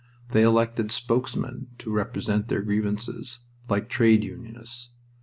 They elected spokesmen to represent their grievances, like trade unionists.